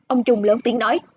ông trung lớn tiếng nói